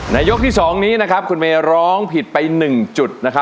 ยกที่๒นี้นะครับคุณเมย์ร้องผิดไป๑จุดนะครับ